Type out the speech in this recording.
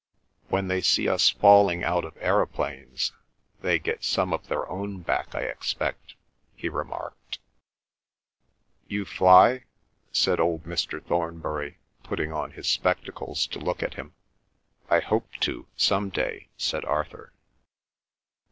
"When they see us falling out of aeroplanes they get some of their own back, I expect," he remarked. "You fly?" said old Mr. Thornbury, putting on his spectacles to look at him. "I hope to, some day," said Arthur.